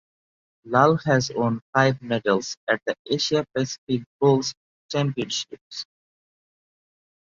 Lal has won five medals at the Asia Pacific Bowls Championships.